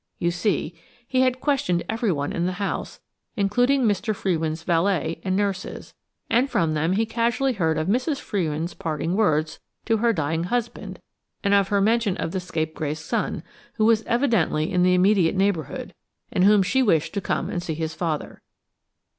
You see, he had questioned everyone in the house, including Mr. Frewin's valet and nurses, and from them he casually heard of Mrs. Frewin's parting words to her dying husband and of her mention of the scapegrace son, who was evidently in the immediate neighbourhood, and whom she wished to come and see his father.